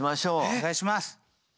お願いします。